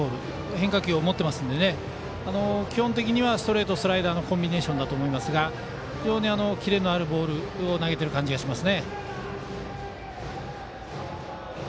変化球を持っていますので基本的にはストレートとスライダーのコンビネーションだと思いますがキレのあるボールを投げている感じがしますね。